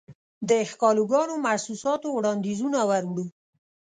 دښکالوګانو، محسوساتووړاندیزونه وروړو